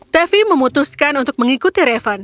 tevi memutuskan untuk mengikuti revan